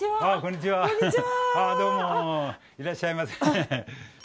いらっしゃいませ。